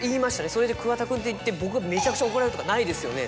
それで桑田くんって言って僕がめちゃくちゃ怒られるとかないですよね？」。